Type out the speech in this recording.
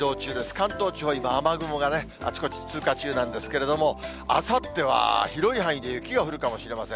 関東地方、今雨雲があちこち通過中なんですけれども、あさっては広い範囲で雪が降るかもしれません。